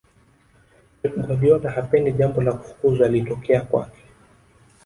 pep guardiola hapendi jambo la kufukuzwa litokea kwake